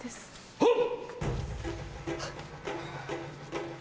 はっ！